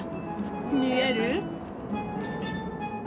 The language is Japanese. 見える？